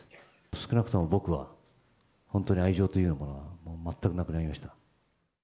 少なくとも僕は本当に愛情というのは、全くなくなりました。